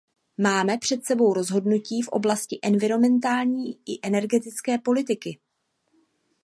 Máme před sebou rozhodnutí v oblasti environmentální i energetické politiky.